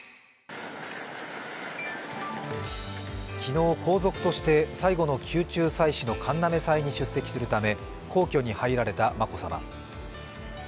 昨日、皇族として最後の宮中祭祀の神嘗祭に出席されるため、皇居に入られた眞子さま。